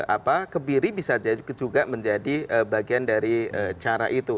apa kebiri bisa juga menjadi bagian dari cara itu